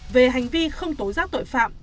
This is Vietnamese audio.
về hành vi không tố giác tội phạm